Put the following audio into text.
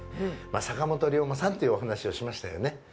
坂本龍馬さんというお話をしましたよね。